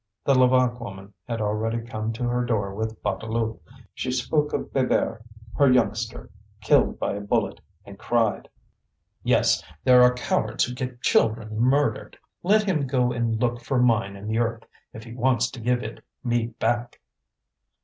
The Levaque woman had already come to her door with Bouteloup. She spoke of Bébert, her youngster, killed by a bullet, and cried: "Yes, there are cowards who get children murdered! Let him go and look for mine in the earth if he wants to give it me back!"